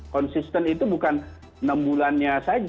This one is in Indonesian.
konsisten itu bukan enam bulannya saja